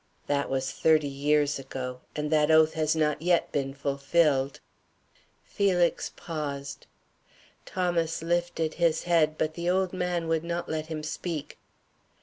That was thirty years ago, and that oath has not yet been fulfilled." Felix paused. Thomas lifted his head, but the old man would not let him speak.